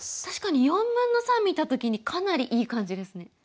確かに４分の３見た時にかなりいい感じですね。